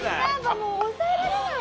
もう抑えられない。